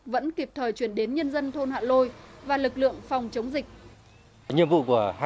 vẫn kịp thời chuyển đến nhân dân thôn hạ lôi và lực lượng phòng chống dịch